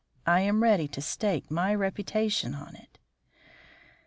I am ready to stake my reputation on it."